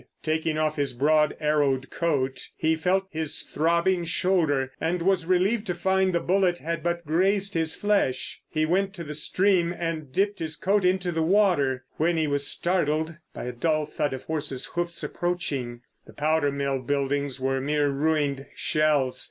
Taking off his broad arrowed coat, he felt his throbbing shoulder, and was relieved to find the bullet had but grazed his flesh. He went to the stream and dipped his coat into the water—when he was startled by the dull thud of horses' hoofs approaching. The powder mill buildings were mere ruined shells.